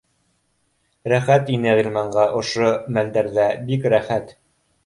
Рәхәт ине Ғилманға ошо мәлдәрҙә, бик рәхәт